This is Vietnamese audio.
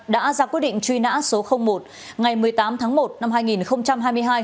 đã ra quyết định truy nã số một ngày một mươi tám tháng một năm hai nghìn hai mươi hai